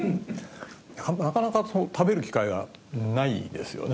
なかなか食べる機会がないですよね